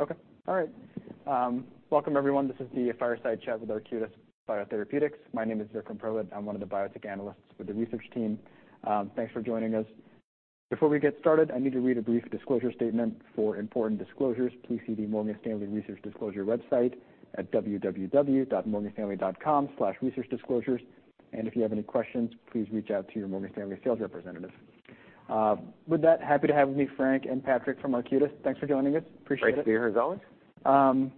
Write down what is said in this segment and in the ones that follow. Okay. All right. Welcome, everyone. This is the Fireside Chat with Arcutis Biotherapeutics. My name is Vikram Purohit. I'm one of the biotech analysts with the research team. Thanks for joining us. Before we get started, I need to read a brief disclosure statement. For important disclosures, please see the Morgan Stanley Research Disclosure website at www.morganstanley.com/researchdisclosures. And if you have any questions, please reach out to your Morgan Stanley sales representative. With that, happy to have with me Frank and Patrick from Arcutis. Thanks for joining us. Appreciate it. Great to be here, as always.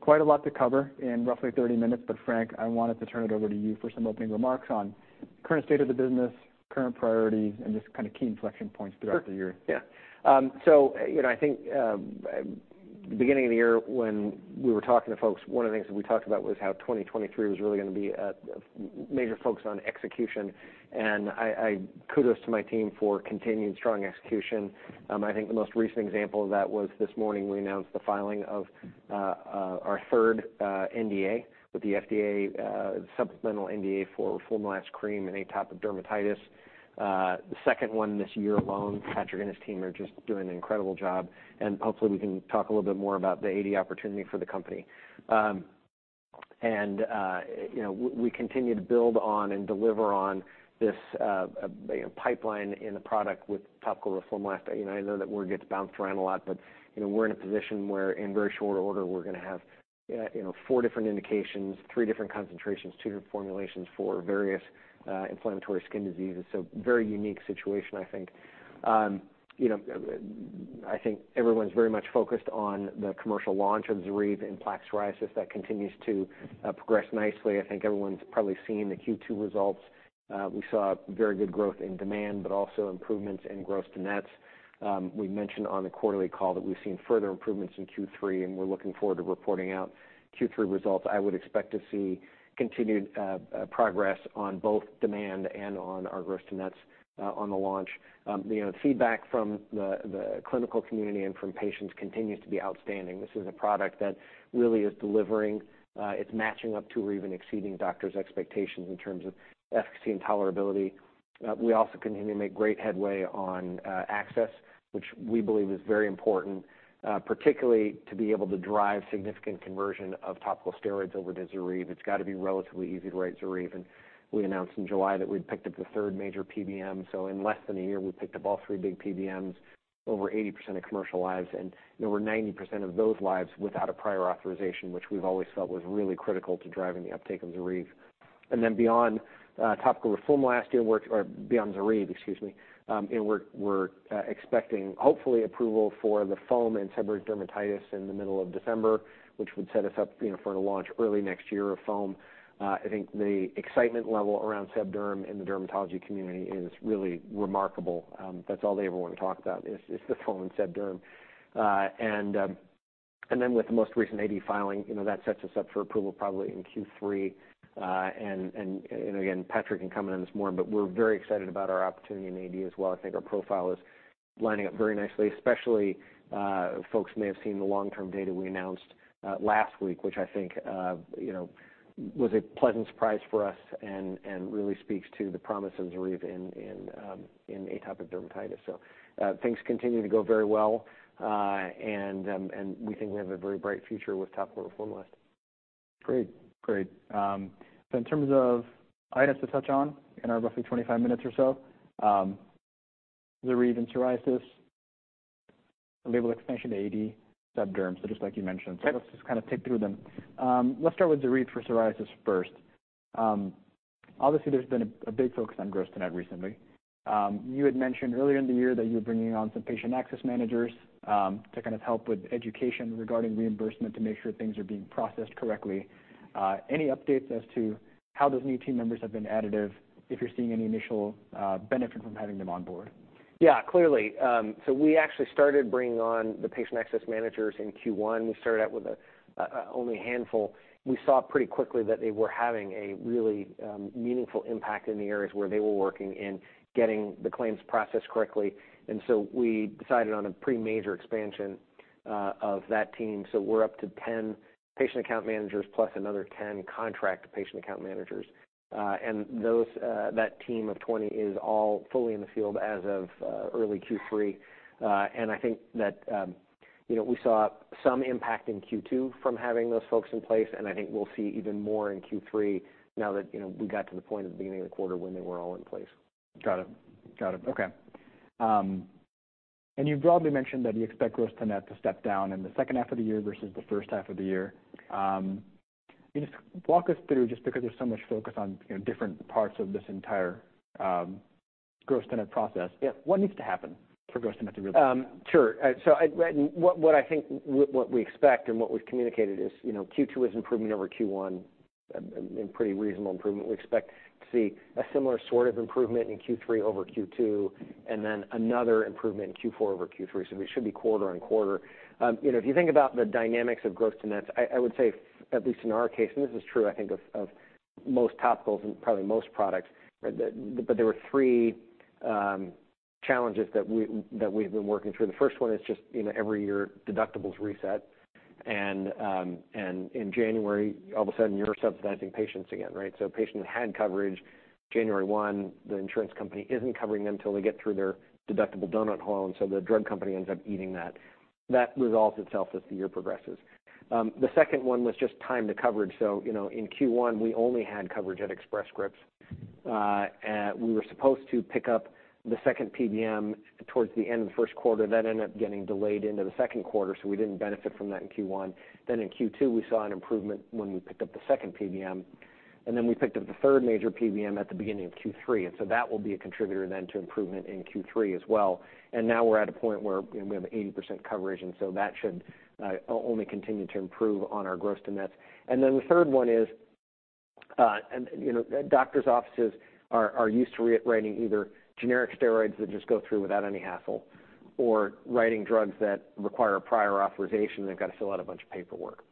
Quite a lot to cover in roughly 30 minutes, but Frank, I wanted to turn it over to you for some opening remarks on current state of the business, current priorities, and just kind of key inflection points throughout the year. Sure. Yeah. So, you know, I think, beginning of the year when we were talking to folks, one of the things that we talked about was how 2023 was really going to be a major focus on execution, and I kudos to my team for continuing strong execution. I think the most recent example of that was this morning, we announced the filing of our third NDA with the FDA, supplemental NDA for roflumilast cream and atopic dermatitis. The second one this year alone, Patrick and his team are just doing an incredible job, and hopefully we can talk a little bit more about the AD opportunity for the company. And, you know, we continue to build on and deliver on this pipeline in the product with topical roflumilast. You know, I know that word gets bounced around a lot, but, you know, we're in a position where in very short order, we're going to have, you know, four different indications, three different concentrations, two different formulations for various, inflammatory skin diseases. So very unique situation, I think. You know, I think everyone's very much focused on the commercial launch of ZORYVE and plaque psoriasis. That continues to progress nicely. I think everyone's probably seen the Q2 results. We saw very good growth in demand, but also improvements in gross to nets. We mentioned on the quarterly call that we've seen further improvements in Q3, and we're looking forward to reporting out Q3 results. I would expect to see continued progress on both demand and on our gross to nets on the launch. The, you know, feedback from the clinical community and from patients continues to be outstanding. This is a product that really is delivering, it's matching up to or even exceeding doctors' expectations in terms of efficacy and tolerability. We also continue to make great headway on access, which we believe is very important, particularly to be able to drive significant conversion of topical steroids over to ZORYVE. It's got to be relatively easy to write ZORYVE, and we announced in July that we'd picked up the third major PBM. So in less than a year, we've picked up all three big PBMs, over 80% of commercial lives and over 90% of those lives without a prior authorization, which we've always felt was really critical to driving the uptake of ZORYVE. And then beyond topical roflumilast, or beyond ZORYVE, excuse me, and we're expecting, hopefully, approval for the foam and seborrheic dermatitis in the middle of December, which would set us up, you know, for a launch early next year of foam. I think the excitement level around seb derm in the dermatology community is really remarkable. That's all they ever want to talk about is the foam and seb derm. And then with the most recent AD filing, you know, that sets us up for approval probably in Q3. And again, Patrick can comment on this more, but we're very excited about our opportunity in AD as well. I think our profile is lining up very nicely, especially, folks may have seen the long-term data we announced last week, which I think, you know, was a pleasant surprise for us and really speaks to the promise of ZORYVE in atopic dermatitis. So, things continue to go very well, and we think we have a very bright future with topical roflumilast. Great. Great. So in terms of items to touch on in our roughly 25 minutes or so, ZORYVE and psoriasis, label expansion to AD, seb derm, so just like you mentioned. Okay. So let's just kind of take through them. Let's start with ZORYVE for psoriasis first. Obviously, there's been a big focus on gross to net recently. You had mentioned earlier in the year that you were bringing on some patient access managers to kind of help with education regarding reimbursement to make sure things are being processed correctly. Any updates as to how those new team members have been additive, if you're seeing any initial benefit from having them on board? Yeah, clearly. So we actually started bringing on the patient access managers in Q1. We started out with only a handful. We saw pretty quickly that they were having a really meaningful impact in the areas where they were working in getting the claims processed correctly. And so we decided on a pretty major expansion of that team. So we're up to 10 patient account managers plus another 10 contract patient account managers. And those that team of 20 is all fully in the field as of early Q3. And I think that, you know, we saw some impact in Q2 from having those folks in place, and I think we'll see even more in Q3 now that, you know, we got to the point at the beginning of the quarter when they were all in place. Got it. Got it. Okay. And you've broadly mentioned that you expect gross to net to step down in the second half of the year versus the first half of the year. Can you just walk us through, just because there's so much focus on, you know, different parts of this entire gross net process? Yeah. What needs to happen for gross net to really? Sure. So what I think, what we expect and what we've communicated is, you know, Q2 is improvement over Q1, and pretty reasonable improvement. We expect to see a similar sort of improvement in Q3 over Q2, and then another improvement in Q4 over Q3. So it should be quarter on quarter. You know, if you think about the dynamics of gross to net, I would say, at least in our case, and this is true, I think, of most topicals and probably most products, but there were three challenges that we've been working through. The first one is just, you know, every year, deductibles reset... and in January, all of a sudden, you're subsidizing patients again, right? So a patient had coverage January one, the insurance company isn't covering them until they get through their deductible donut hole, and so the drug company ends up eating that. That resolves itself as the year progresses. The second one was just time to coverage. So, you know, in Q1, we only had coverage at Express Scripts. And we were supposed to pick up the second PBM towards the end of the first quarter. That ended up getting delayed into the second quarter, so we didn't benefit from that in Q1. Then in Q2, we saw an improvement when we picked up the second PBM, and then we picked up the third major PBM at the beginning of Q3, and so that will be a contributor then to improvement in Q3 as well. Now we're at a point where, you know, we have 80% coverage, and so that should only continue to improve on our gross to nets. And then the third one is, you know, doctor's offices are used to rewriting either generic steroids that just go through without any hassle or writing drugs that require a prior authorization, they've got to fill out a bunch of paperwork.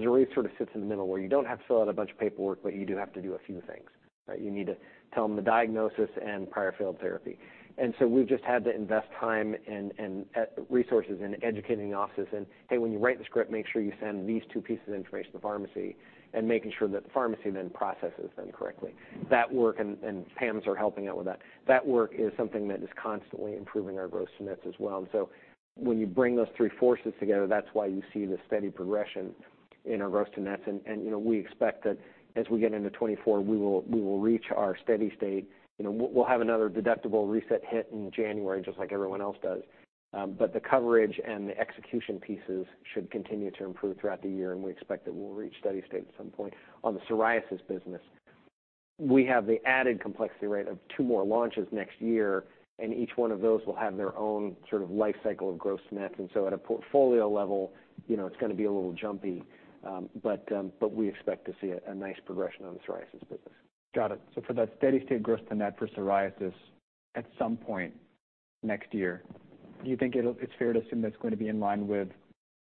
ZORYVE sort of sits in the middle where you don't have to fill out a bunch of paperwork, but you do have to do a few things, right? You need to tell them the diagnosis and prior failed therapy. And so we've just had to invest time and, and, resources in educating the offices and, "Hey, when you write the script, make sure you send these two pieces of information to the pharmacy," and making sure that the pharmacy then processes them correctly. That work and, and PAMs are helping out with that. That work is something that is constantly improving our gross-to-nets as well. And so when you bring those three forces together, that's why you see the steady progression in our gross-to-nets. And, you know, we expect that as we get into 2024, we will, we will reach our steady state. You know, we'll, we'll have another deductible reset hit in January, just like everyone else does. But the coverage and the execution pieces should continue to improve throughout the year, and we expect that we'll reach steady state at some point. On the psoriasis business, we have the added complexity, right, of two more launches next year, and each one of those will have their own sort of life cycle of gross-to-net. And so at a portfolio level, you know, it's gonna be a little jumpy, but we expect to see a nice progression on the psoriasis business. Got it. So for that steady state gross to net for psoriasis, at some point next year, do you think it'll—it's fair to assume that's going to be in line with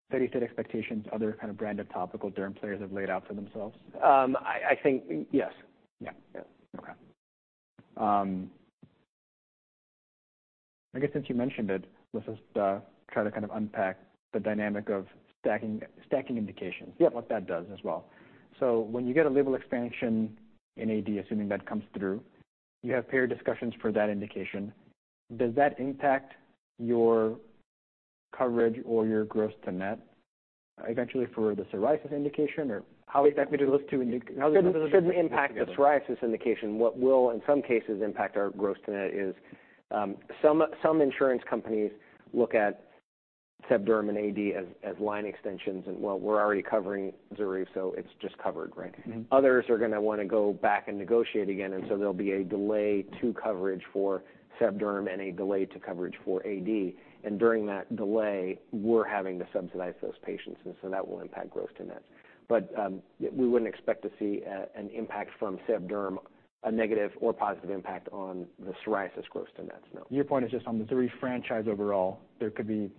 steady state expectations, other kind of brand of topical derm players have laid out for themselves? I think, yes. Yeah. Yeah. Okay. I guess since you mentioned it, let's just try to kind of unpack the dynamic of stacking indications- Yeah. And what that does as well. So when you get a label expansion in AD, assuming that comes through, you have peer discussions for that indication, does that impact your coverage or your gross to net eventually for the psoriasis indication, or how exactly does those two fit together? Shouldn't impact the psoriasis indication. What will, in some cases, impact our gross to net is some insurance companies look at seb derm and AD as line extensions, and well, we're already covering ZORYVE, so it's just covered, right? Mm-hmm. Others are gonna wanna go back and negotiate again, and so there'll be a delay to coverage for seb derm and a delay to coverage for AD. During that delay, we're having to subsidize those patients, and so that will impact gross to net. But we wouldn't expect to see an impact from seb derm, a negative or positive impact on the psoriasis gross to nets, no. Your point is just on the ZORYVE franchise overall, there could be-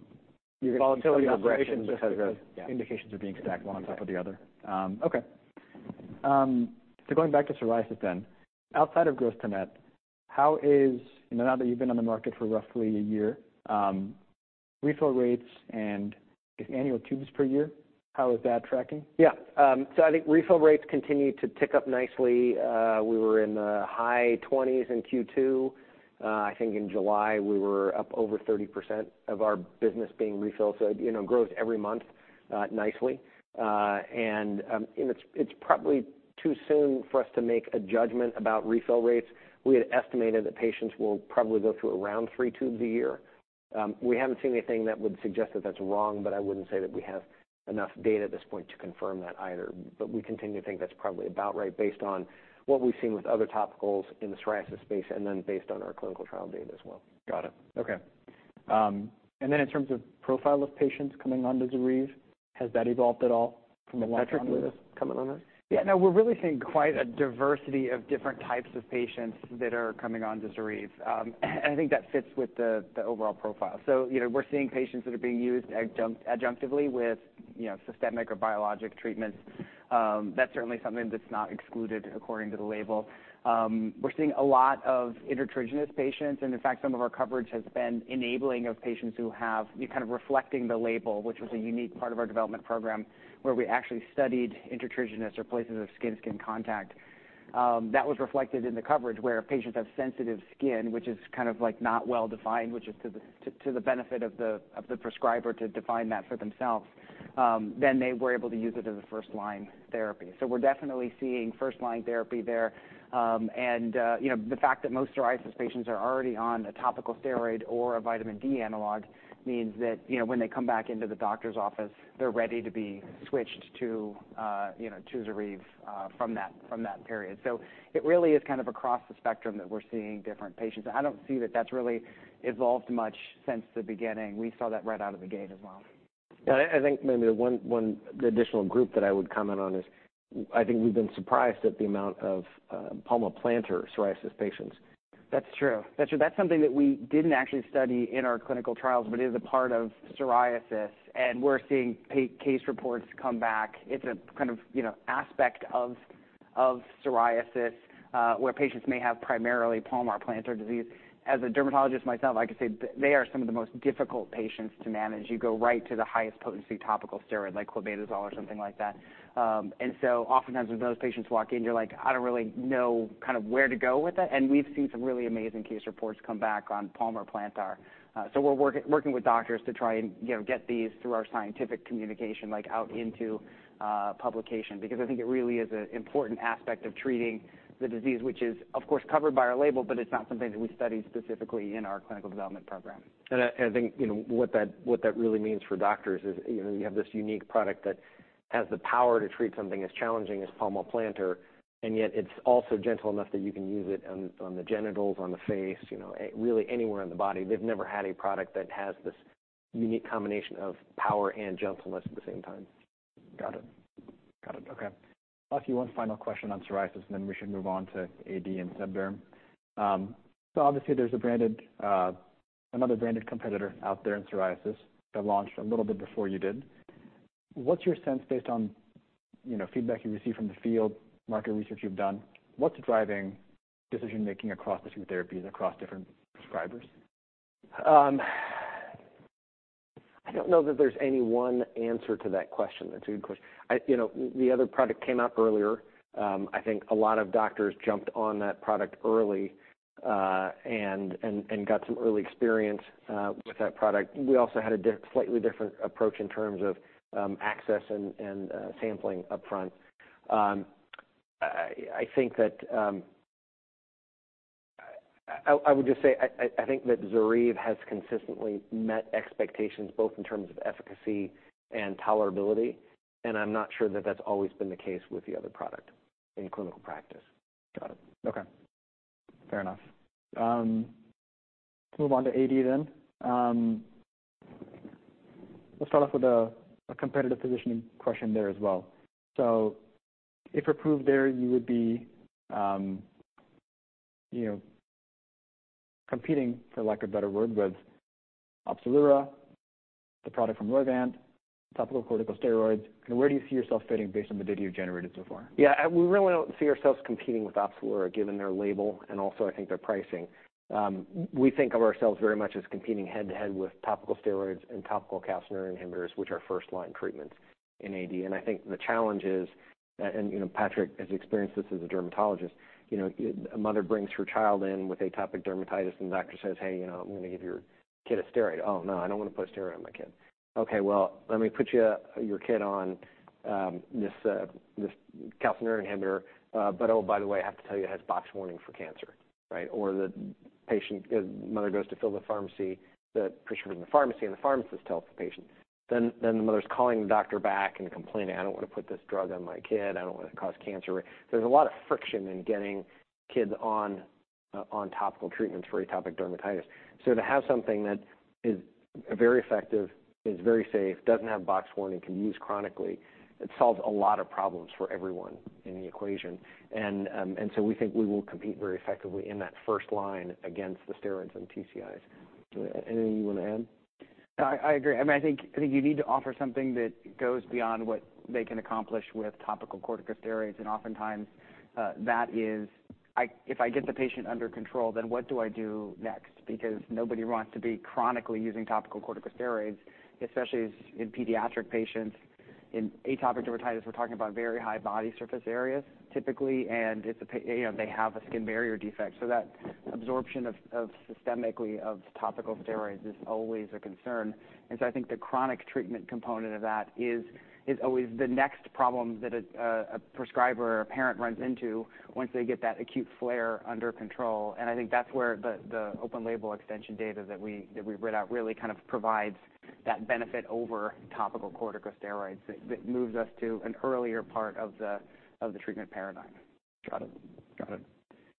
Volatility or progression because of, yeah. Indications are being stacked one on top of the other. Yeah. Okay. So going back to psoriasis then, outside of gross to net, how is... Now that you've been on the market for roughly a year, refill rates and annual tubes per year, how is that tracking? Yeah. So I think refill rates continue to tick up nicely. We were in the high 20s in Q2. I think in July, we were up over 30% of our business being refills, so, you know, grows every month, nicely. And it's probably too soon for us to make a judgment about refill rates. We had estimated that patients will probably go through around three tubes a year. We haven't seen anything that would suggest that that's wrong, but I wouldn't say that we have enough data at this point to confirm that either. But we continue to think that's probably about right, based on what we've seen with other topicals in the psoriasis space, and then based on our clinical trial data as well. Got it. Okay. And then in terms of profile of patients coming onto ZORYVE, has that evolved at all from the launch coming on in? Yeah. No, we're really seeing quite a diversity of different types of patients that are coming on to ZORYVE. And I think that fits with the overall profile. So, you know, we're seeing patients that are being used adjunctively with, you know, systemic or biologic treatments. That's certainly something that's not excluded according to the label. We're seeing a lot of intertriginous patients, and in fact, some of our coverage has been enabling of patients who have, you kind of reflecting the label, which was a unique part of our development program, where we actually studied intertriginous or places of skin-to-skin contact. That was reflected in the coverage, where patients have sensitive skin, which is kind of, like, not well-defined, which is to the benefit of the prescriber to define that for themselves, then they were able to use it as a first-line therapy. So we're definitely seeing first-line therapy there. And, you know, the fact that most psoriasis patients are already on a topical steroid or a Vitamin D analog means that, you know, when they come back into the doctor's office, they're ready to be switched to, you know, to ZORYVE, from that period. So it really is kind of across the spectrum that we're seeing different patients. I don't see that that's really evolved much since the beginning. We saw that right out of the gate as well. Yeah, I think maybe the one additional group that I would comment on is, I think we've been surprised at the amount of palmoplantar psoriasis patients. That's true. That's true. That's something that we didn't actually study in our clinical trials, but is a part of psoriasis, and we're seeing case reports come back. It's a kind of, you know, aspect of psoriasis, where patients may have primarily palmar-plantar disease. As a dermatologist myself, I can say they are some of the most difficult patients to manage. You go right to the highest potency topical steroid, like clobetasol or something like that. And so oftentimes when those patients walk in, you're like, I don't really know kind of where to go with it, and we've seen some really amazing case reports come back on palmar-plantar. So we're working with doctors to try and, you know, get these through our scientific communication, like, out into publication, because I think it really is an important aspect of treating the disease, which is, of course, covered by our label, but it's not something that we studied specifically in our clinical development program. And I think, you know, what that really means for doctors is, you know, you have this unique product that has the power to treat something as challenging as palmoplantar, and yet it's also gentle enough that you can use it on the genitals, on the face, you know, really anywhere on the body. They've never had a product that has this unique combination of power and gentleness at the same time. Got it. Got it. Okay. I'll ask you one final question on psoriasis, and then we should move on to AD and seb derm. So obviously, there's a branded another branded competitor out there in psoriasis that launched a little bit before you did. What's your sense based on, you know, feedback you received from the field, market research you've done? What's driving decision-making across the two therapies, across different prescribers? I don't know that there's any one answer to that question. That's a good question. You know, the other product came out earlier. I think a lot of doctors jumped on that product early, and got some early experience with that product. We also had a slightly different approach in terms of access and sampling upfront. I would just say I think that ZORYVE has consistently met expectations, both in terms of efficacy and tolerability, and I'm not sure that that's always been the case with the other product in clinical practice. Got it. Okay. Fair enough. Let's move on to AD then. Let's start off with a competitive positioning question there as well. So if approved there, you would be, you know, competing, for lack of a better word, with OPZELURA, the product from Roivant, topical corticosteroids. And where do you see yourself fitting based on the data you've generated so far? Yeah, we really don't see ourselves competing with OPZELURA, given their label and also I think their pricing. We think of ourselves very much as competing head-to-head with topical steroids and topical calcineurin inhibitors, which are first-line treatments in AD. I think the challenge is, and you know, Patrick has experienced this as a dermatologist, you know, a mother brings her child in with atopic dermatitis, and the doctor says: Hey, you know, I'm gonna give your kid a steroid. Oh, no, I don't want to put a steroid on my kid. Okay, well, let me put your kid on this calcineurin inhibitor, but, oh, by the way, I have to tell you, it has box warning for cancer, right? Or the patient, the mother goes to fill the prescription in the pharmacy, and the pharmacist tells the patient. Then the mother's calling the doctor back and complaining, "I don't want to put this drug on my kid. I don't want to cause cancer." There's a lot of friction in getting kids on topical treatments for atopic dermatitis. So to have something that is very effective, is very safe, doesn't have box warning, can use chronically, it solves a lot of problems for everyone in the equation. And so we think we will compete very effectively in that first line against the steroids and TCIs. Anything you want to add? No, I agree. I mean, I think you need to offer something that goes beyond what they can accomplish with topical corticosteroids, and oftentimes, that is, if I get the patient under control, then what do I do next? Because nobody wants to be chronically using topical corticosteroids, especially as in pediatric patients. In atopic dermatitis, we're talking about very high body surface areas, typically, and you know, they have a skin barrier defect. So that absorption systemically of topical steroids is always a concern. And so I think the chronic treatment component of that is always the next problem that a prescriber or parent runs into once they get that acute flare under control. I think that's where the open label extension data that we read out really kind of provides that benefit over topical corticosteroids, that moves us to an earlier part of the treatment paradigm. Got it. Got it.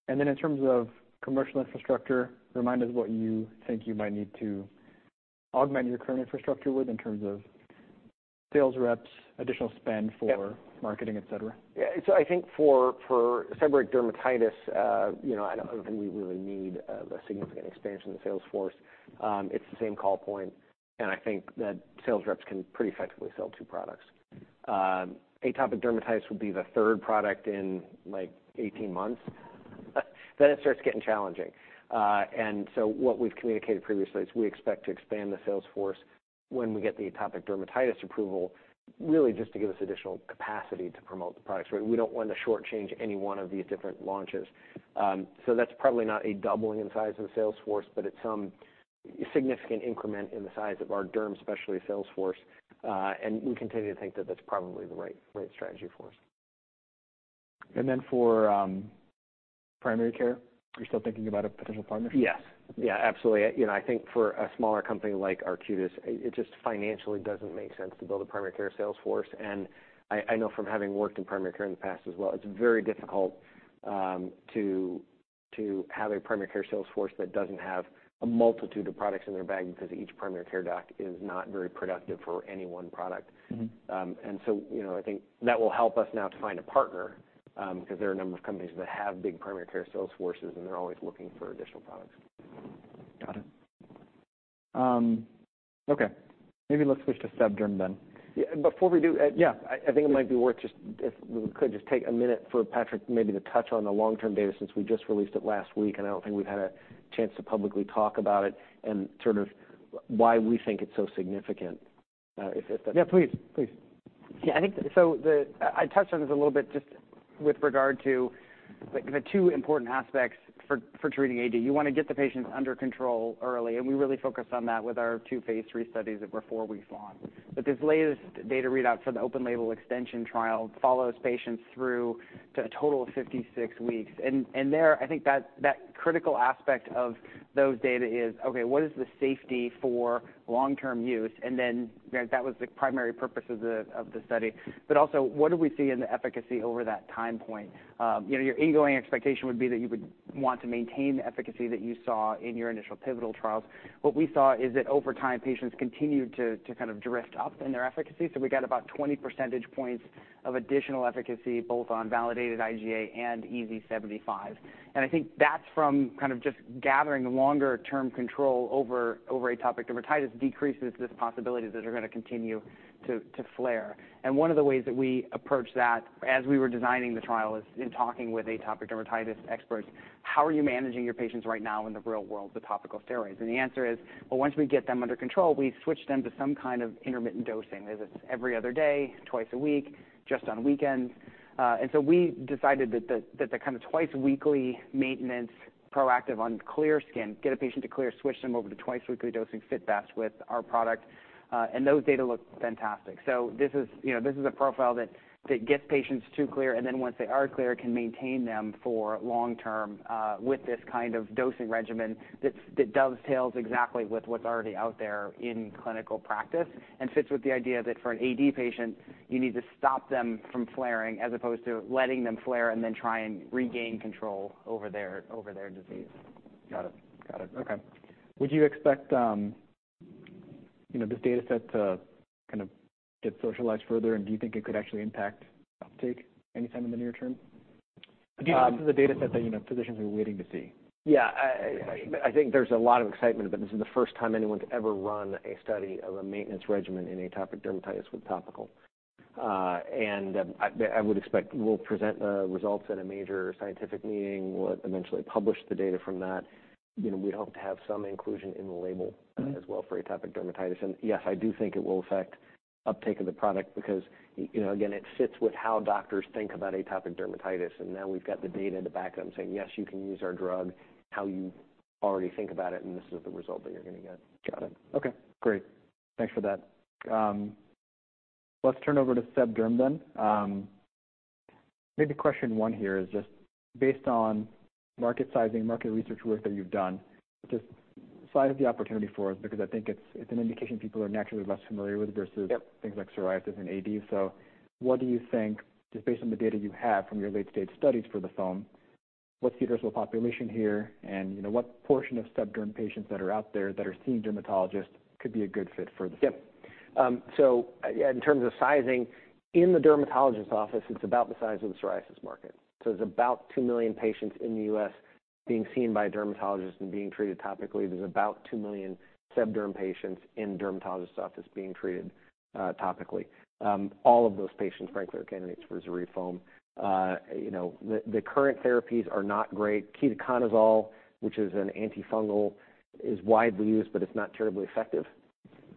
And then in terms of commercial infrastructure, remind us what you think you might need to augment your current infrastructure with in terms of sales reps, additional spend for- Yep. - Marketing, et cetera. Yeah, so I think for seborrheic dermatitis, you know, I don't think we really need a significant expansion in the sales force. It's the same call point, and I think that sales reps can pretty effectively sell two products. Atopic dermatitis would be the third product in, like, 18 months, but then it starts getting challenging. And so what we've communicated previously is we expect to expand the sales force when we get the atopic dermatitis approval, really just to give us additional capacity to promote the products, right? We don't want to shortchange any one of these different launches. So that's probably not a doubling in size of the sales force, but it's some significant increment in the size of our derm specialty sales force. And we continue to think that that's probably the right, right strategy for us. Then for primary care, are you still thinking about a potential partnership? Yes. Yeah, absolutely. You know, I think for a smaller company like Arcutis, it just financially doesn't make sense to build a primary care sales force. And I know from having worked in primary care in the past as well, it's very difficult to have a primary care sales force that doesn't have a multitude of products in their bag, because each primary care doc is not very productive for any one product. Mm-hmm. And so, you know, I think that will help us now to find a partner, because there are a number of companies that have big primary care sales forces, and they're always looking for additional products. Got it. Okay, maybe let's switch to seb derm then. Yeah, before we do, I think it might be worth just if we could just take a minute for Patrick maybe to touch on the long-term data since we just released it last week, and I don't think we've had a chance to publicly talk about it and sort of why we think it's so significant. If that's- Yeah, please, please. Yeah, I think so. I touched on this a little bit just with regard to the two important aspects for treating AD. You wanna get the patients under control early, and we really focus on that with our two phase III studies that were four weeks long. But this latest data readout for the open-label extension trial follows patients through to a total of 56 weeks. And there, I think that critical aspect of those data is, okay, what is the safety for long-term use? And then, you know, that was the primary purpose of the study. But also, what do we see in the efficacy over that time point? You know, your ongoing expectation would be that you would want to maintain the efficacy that you saw in your initial pivotal trials. What we saw is that over time, patients continued to kind of drift up in their efficacy. So we got about 20 percentage points of additional efficacy, both on validated IGA and EASI-75. And I think that's from kind of just gathering longer-term control over atopic dermatitis decreases this possibility that they're gonna continue to flare. And one of the ways that we approached that as we were designing the trial is in talking with atopic dermatitis experts, how are you managing your patients right now in the real world with topical steroids? And the answer is: Well, once we get them under control, we switch them to some kind of intermittent dosing. Is it every other day, twice a week, just on weekends? And so we decided that the kind of twice weekly maintenance, proactive on clear skin, get a patient to clear, switch them over to twice weekly dosing, fit best with our product, and those data look fantastic. So this is, you know, this is a profile that gets patients to clear, and then once they are clear, can maintain them for long term with this kind of dosing regimen, that dovetails exactly with what's already out there in clinical practice, and fits with the idea that for an AD patient, you need to stop them from flaring, as opposed to letting them flare and then try and regain control over their disease. Got it. Got it. Okay. Would you expect, you know, this data set to kind of get socialized further, and do you think it could actually impact uptake anytime in the near term? Um- This is a data set that, you know, physicians are waiting to see. Yeah, I think there's a lot of excitement, but this is the first time anyone's ever run a study of a maintenance regimen in atopic dermatitis with topical. And I would expect we'll present the results at a major scientific meeting. We'll eventually publish the data from that. You know, we hope to have some inclusion in the label- Mm-hmm. As well for atopic dermatitis. And yes, I do think it will affect uptake of the product because, you know, again, it fits with how doctors think about atopic dermatitis, and now we've got the data to back it up, saying: Yes, you can use our drug, how you already think about it, and this is the result that you're gonna get. Got it. Okay, great. Thanks for that. Let's turn over to seb derm then. Maybe question one here is just based on market sizing, market research work that you've done, just size of the opportunity for us, because I think it's, it's an indication people are naturally less familiar with versus- Yep. Things like psoriasis and AD. So what do you think, just based on the data you have from your late-stage studies for the foam, what's the addressable population here? And you know, what portion of seb derm patients that are out there that are seeing dermatologists could be a good fit for this? Yep. So in terms of sizing, in the dermatologist office, it's about the size of the psoriasis market. So it's about two million patients in the U.S. being seen by dermatologists and being treated topically. There's about two million seb derm patients in dermatologist office being treated topically. All of those patients, frankly, are candidates for ZORYVE foam. You know, the current therapies are not great. Ketoconazole, which is an antifungal, is widely used, but it's not terribly effective.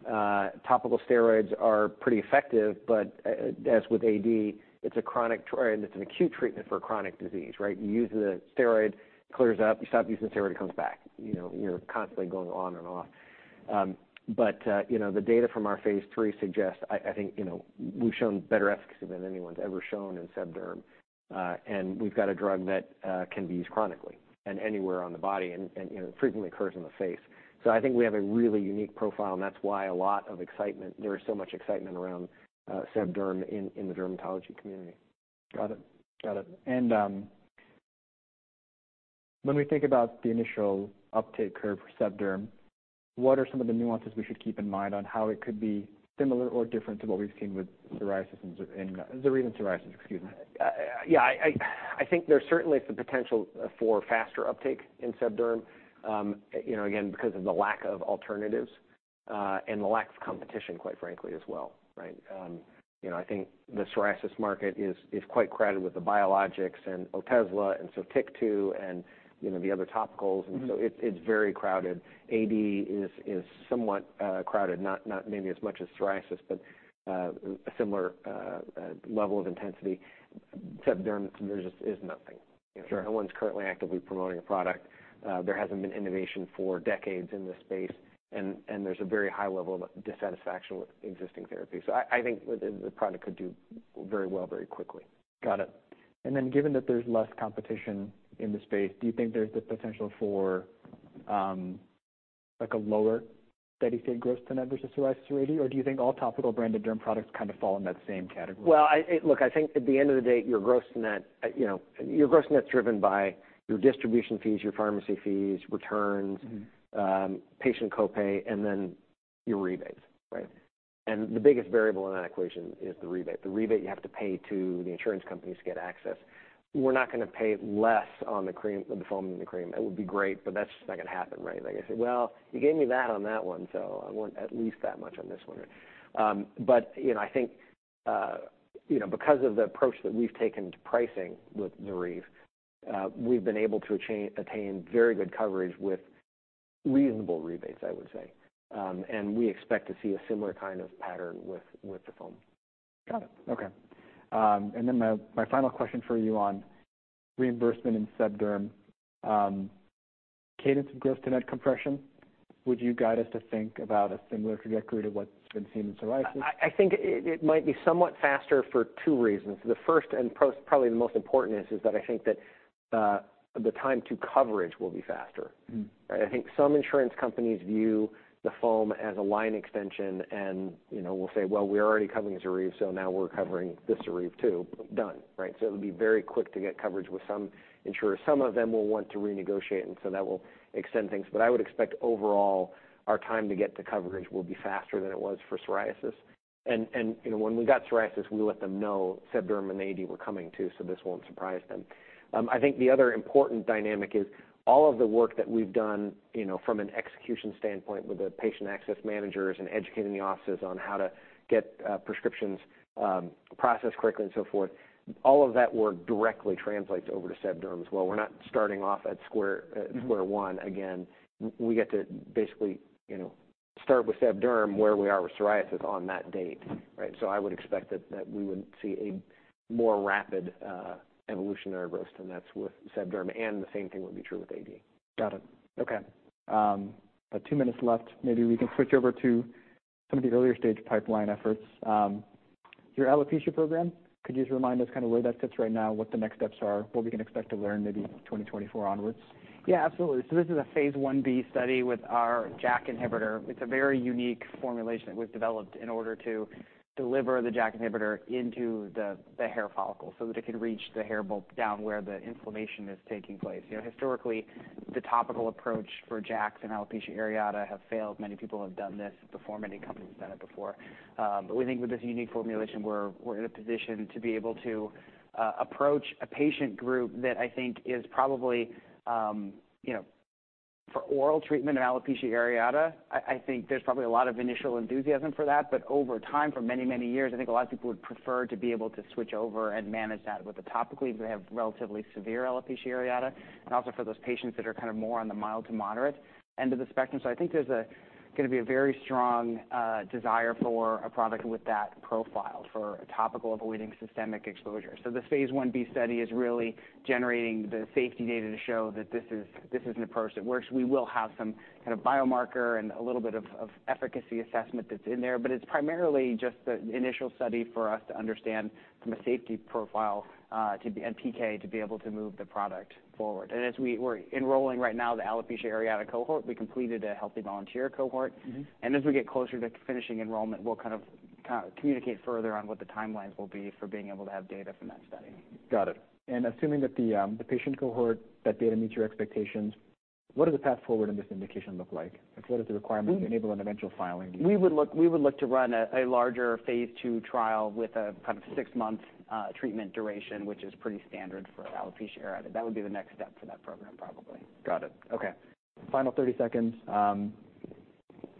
Topical steroids are pretty effective, but as with AD, it's a chronic, or it's an acute treatment for a chronic disease, right? You use the steroid, clears up, you stop using the steroid, it comes back. You know, you're constantly going on and off. But, you know, the data from our phase III suggests, I think, you know, we've shown better efficacy than anyone's ever shown in seb derm. And we've got a drug that can be used chronically and anywhere on the body and, you know, it frequently occurs in the face. So I think we have a really unique profile, and that's why a lot of excitement, there is so much excitement around seb derm in the dermatology community. Got it. Got it. And, when we think about the initial uptake curve for seb derm, what are some of the nuances we should keep in mind on how it could be similar or different to what we've seen with psoriasis in ZORYVE and psoriasis, excuse me? Yeah, I think there's certainly the potential for faster uptake in seb derm. You know, again, because of the lack of alternatives, and the lack of competition, quite frankly, as well, right? You know, I think the psoriasis market is quite crowded with the biologics and Otezla, and so TYK2, and, you know, the other topicals. Mm-hmm. And so it's, it's very crowded. AD is, is somewhat crowded, not, not maybe as much as psoriasis, but a similar level of intensity. Seb derm, there just is nothing. Sure. No one's currently actively promoting a product. There hasn't been innovation for decades in this space, and there's a very high level of dissatisfaction with existing therapy. So I think the product could do very well, very quickly. Got it. And then given that there's less competition in the space, do you think there's the potential for, like a lower steady state gross net versus psoriasis or AD? Or do you think all topical branded derm products kind of fall in that same category? Well, look, I think at the end of the day, your gross-to-net, you know, your gross-to-net's driven by your distribution fees, your pharmacy fees, returns- Mm-hmm. Patient copay, and then your rebates, right? And the biggest variable in that equation is the rebate. The rebate you have to pay to the insurance companies to get access. We're not gonna pay less on the cream, the foam than the cream. It would be great, but that's just not gonna happen, right? Like I said, well, you gave me that on that one, so I want at least that much on this one. But, you know, I think, you know, because of the approach that we've taken to pricing with the ZORYVE, we've been able to attain very good coverage with reasonable rebates, I would say. And we expect to see a similar kind of pattern with the foam. Got it. Okay. And then my, my final question for you on reimbursement in seb derm, cadence of growth to net compression, would you guide us to think about a similar trajectory to what's been seen in psoriasis? I think it might be somewhat faster for two reasons. The first, and probably the most important, is that I think that the time to coverage will be faster. Mm-hmm. I think some insurance companies view the foam as a line extension and, you know, will say, "Well, we're already covering ZORYVE, so now we're covering this ZORYVE, too. Done," right? So it'll be very quick to get coverage with some insurers. Some of them will want to renegotiate, and so that will extend things. But I would expect, overall, our time to get to coverage will be faster than it was for psoriasis. And, you know, when we got psoriasis, we let them know seb derm and AD were coming, too, so this won't surprise them. I think the other important dynamic is all of the work that we've done, you know, from an execution standpoint with the patient access managers and educating the offices on how to get prescriptions processed quickly and so forth, all of that work directly translates over to seb derm as well. We're not starting off at square square one again. We get to basically, you know, start with seb derm, where we are with psoriasis on that date, right? So I would expect that we would see a more rapid evolutionary growth, and that's with seb derm, and the same thing would be true with AD. Got it. Okay. About two minutes left. Maybe we can switch over to some of the earlier stage pipeline efforts. Your alopecia program, could you just remind us kind of where that sits right now, what the next steps are, what we can expect to learn maybe 2024 onwards? Yeah, absolutely. So this is a phase I-B study with our JAK inhibitor. It's a very unique formulation that was developed in order to deliver the JAK inhibitor into the hair follicle so that it can reach the hair bulb down where the inflammation is taking place. You know, historically, the topical approach for JAKs and alopecia areata have failed. Many people have done this before. Many companies have done it before. But we think with this unique formulation, we're in a position to be able to approach a patient group that I think is probably, you know, for oral treatment of alopecia areata, I think there's probably a lot of initial enthusiasm for that. But over time, for many, many years, I think a lot of people would prefer to be able to switch over and manage that with a topically, if they have relatively severe alopecia areata, and also for those patients that are kind of more on the mild to moderate end of the spectrum. So I think there's a gonna be a very strong desire for a product with that profile, for a topical avoiding systemic exposure. So this phase I-B study is really generating the safety data to show that this is an approach that works. We will have some kind of biomarker and a little bit of efficacy assessment that's in there, but it's primarily just the initial study for us to understand from a safety profile and PK, to be able to move the product forward. And as we're enrolling right now the alopecia areata cohort, we completed a healthy volunteer cohort. Mm-hmm. As we get closer to finishing enrollment, we'll kind of communicate further on what the timelines will be for being able to have data from that study. Got it. And assuming that the patient cohort, that data meets your expectations, what does the path forward in this indication look like? Like, what is the requirement to enable an eventual filing? We would look to run a larger phase II trial with a kind of six month treatment duration, which is pretty standard for alopecia areata. That would be the next step for that program, probably. Got it. Okay. Final 30 seconds.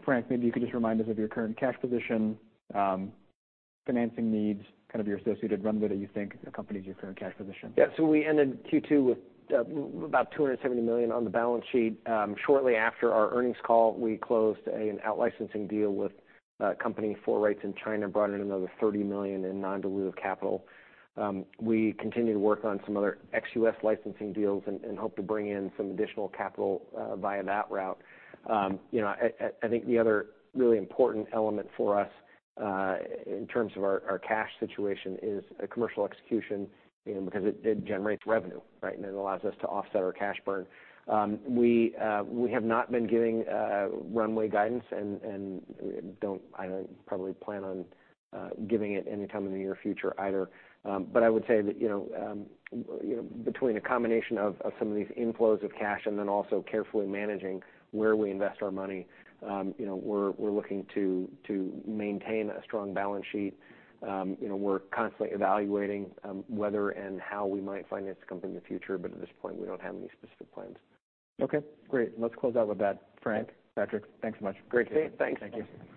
Frank, maybe you could just remind us of your current cash position, financing needs, kind of your associated runway that you think accompanies your current cash position. Yeah. So we ended Q2 with about $270 million on the balance sheet. Shortly after our earnings call, we closed an out licensing deal with a company for rights in China, brought in another $30 million in non-dilutive capital. We continue to work on some other ex-U.S. licensing deals and hope to bring in some additional capital via that route. You know, I think the other really important element for us in terms of our cash situation is commercial execution, you know, because it generates revenue, right? And it allows us to offset our cash burn. We have not been giving runway guidance and don't probably plan on giving it anytime in the near future either. But I would say that, you know, you know, between a combination of some of these inflows of cash and then also carefully managing where we invest our money, you know, we're looking to maintain a strong balance sheet. You know, we're constantly evaluating whether and how we might finance the company in the future, but at this point, we don't have any specific plans. Okay, great. Let's close out with that. Frank, Patrick, thanks so much. Great. Thanks. Thank you.